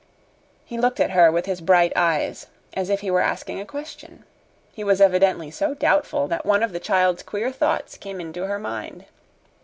He looked at her with his bright eyes, as if he were asking a question. He was evidently so doubtful that one of the child's queer thoughts came into her mind.